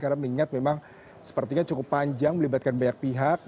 karena saya ingat memang sepertinya cukup panjang melibatkan banyak pihak